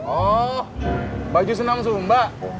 oh baju senang sumba